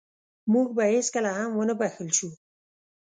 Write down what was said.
موږ به هېڅکله هم ونه بښل شو.